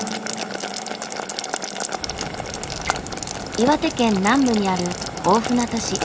岩手県南部にある大船渡市。